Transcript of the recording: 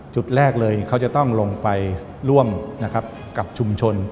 จุดแรกเลยเขาจะต้องลงไปร่วมนะครับกับชุมชน